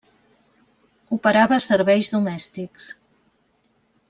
Operava serveis domèstics.